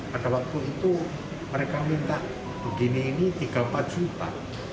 pada waktu itu mereka minta begini ini tiga empat juta